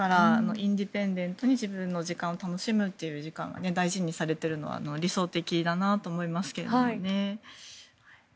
インディペンデントに自分の時間を楽しむことを大事にされているのは理想的だなと思いますけどね。